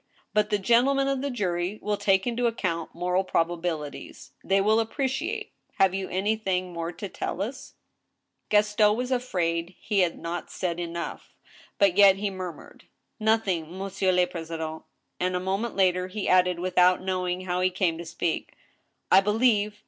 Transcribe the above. But the gentle men of the jury will take into account moral probabilities. They will appreciate. ... Have you anything more to tell us ?" THE TRIAL. 20I Gaston was afraid he had not said enoagh, but yet he mur mured :*' Nothing, monsieur le president " And a moment later he added, without knowing how he came to speak :" I believe